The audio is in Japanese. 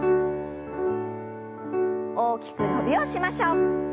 大きく伸びをしましょう。